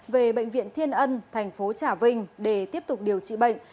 về bệnh viện thiên ân tp trà vinh để tiếp tục điều trị bệnh